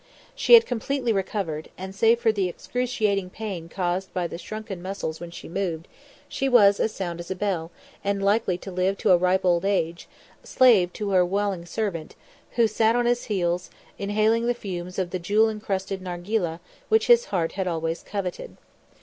She had completely recovered, and save for the excruciating pain caused by the shrunken muscles when she moved, was as sound as a bell, and likely to live to a ripe old age, slave to her whilom servant, who sat on his heels, inhaling the fumes of the jewel encrusted nargileh which his heart had always coveted.